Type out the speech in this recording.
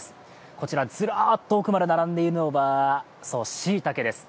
こちら、ずらっと奥まで並んでいるのはしいたけです。